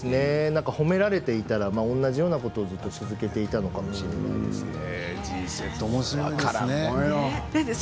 褒められていたら同じようなことをずっと続けていたかもしれないですね。